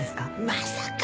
まさか。